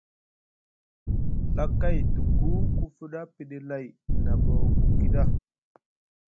Ɵa kay tuku ku fuɗa piɗi lay, na ɓa ku kiɗa.